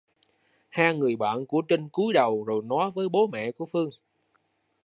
Hai người bạn của Trinh cúi đầu rồi nói với Bố Mẹ của Phương